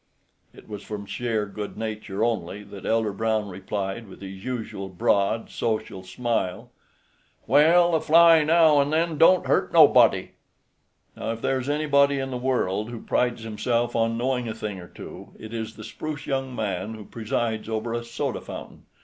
It was from sheer good nature only that Elder Brown replied, with his usual broad, social smile, "Well, a fly now an' then don't hurt nobody." Now if there is anybody in the world who prides himself on knowing a thing or two, it is the spruce young man who presides over a soda fountain.